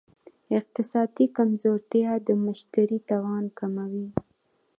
اقتصادي کمزورتیا د مشتري توان کموي.